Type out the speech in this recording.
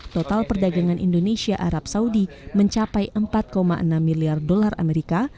total perdagangan indonesia arab saudi mencapai empat enam miliar dolar amerika